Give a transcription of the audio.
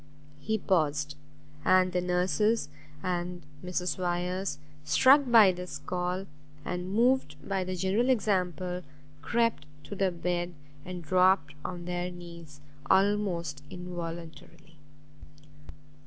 He paused; and the nurses and Mrs Wyers, struck by this call, and moved by the general example, crept to the bed, and dropt on their knees, almost involuntarily.